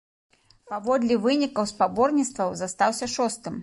Паводле вынікаў спаборніцтваў застаўся шостым.